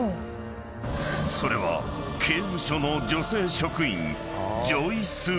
［それは刑務所の女性職員］